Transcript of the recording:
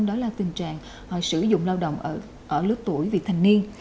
đó là tình trạng sử dụng lao động ở lớp tuổi vì thành niên